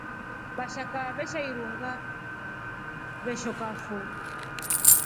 Vashaka veshi irunga veshokafo.